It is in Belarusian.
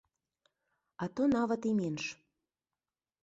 А то нават і менш.